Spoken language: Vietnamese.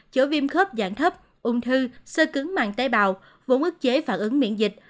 chữa viêm khớp dạng thấp ung thư sơ cứng mạng tế bào vùng ức chế phản ứng miễn dịch